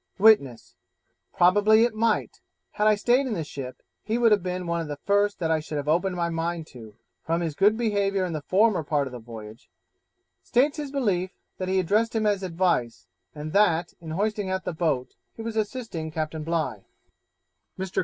Witness 'Probably it might: had I stayed in the ship, he would have been one of the first that I should have opened my mind to, from his good behaviour in the former part of the voyage': states his belief, that he addressed him as advice; and that, in hoisting out the boat, he was assisting Captain Bligh. _Mr.